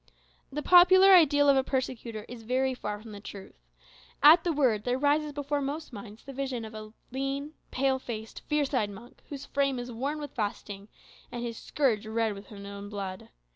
The popular ideal of a persecutor is very far from the truth. At the word there rises before most minds the vision of a lean, pale faced, fierce eyed monk, whose frame is worn with fasting, and his scourge red with his own blood.